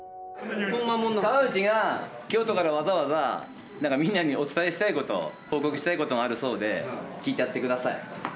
河内が京都からわざわざみんなにお伝えしたいこと報告したいことがあるそうで聞いてやってください。